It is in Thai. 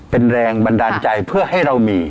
เป็นแรงบันดาลใจเพื่อให้เรามี